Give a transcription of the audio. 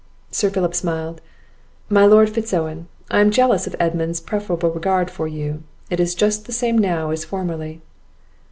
Sir Philip smiled: "My Lord Fitz Owen, I am jealous of Edmund's preferable regard for you; it is just the same now as formerly."